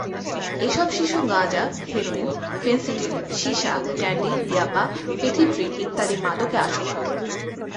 এসব শিশু গাঁজা, হেরোইন, ফেনসিডিল, সিসা, ড্যান্ডি, ইয়াবা, পেথিড্রিন ইত্যাদি মাদকে আসক্ত।